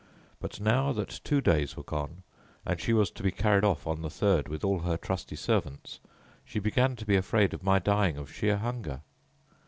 But now that two days were gone and she was to be carried off on the third with all her trusty servants, she began to be afraid of my dying of sheer hunger.